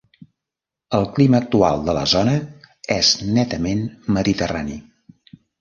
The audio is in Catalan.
El clima actual de la zona és netament mediterrani.